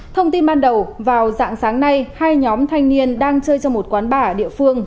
thông tin ban đầu vào dạng sáng nay hai nhóm thanh niên đang chơi trong một quán bà ở địa phương